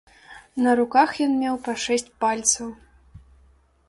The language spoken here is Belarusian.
На руках ён меў па шэсць пальцаў.